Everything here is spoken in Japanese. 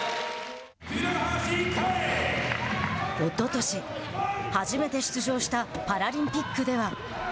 おととし、初めて出場したパラリンピックでは。